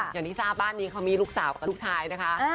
อย่างที่ทราบบ้านนี้เขามีลูกสาวกับลูกชายนะคะ